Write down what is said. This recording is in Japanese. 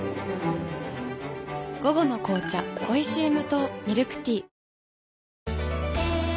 午後の紅茶おいしい無糖ミルクティー